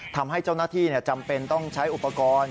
ทำให้เจ้าหน้าที่จำเป็นต้องใช้อุปกรณ์